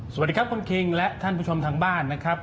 สวัสดีครับคุณคิงและท่านผู้ชมทางบ้านนะครับ